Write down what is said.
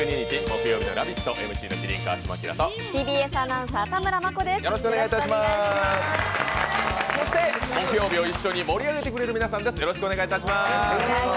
木曜日を一緒に盛り上げてくれる皆さんです。